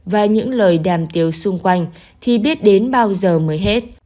và những lời đàm tiếng xung quanh thì biết đến bao giờ mới hết